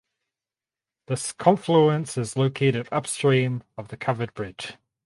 This confluence is located upstream of the covered bridge.